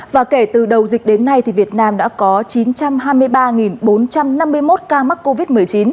và kể từ đầu dịch đến nay thì việt nam đã có chín trăm hai mươi ba bốn trăm năm mươi một ca mắc covid một mươi chín